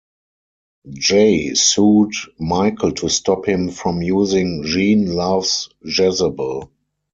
Jay sued Michael to stop him from using Gene Loves Jezebel.